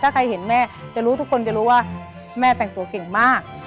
ถ้าใครเห็นแม่จะรู้ทุกคนจะรู้ว่าแม่แต่งตัวเก่งมาก